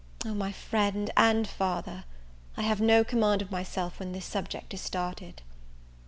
O, my friend and father! I have no command of myself when this subject is started.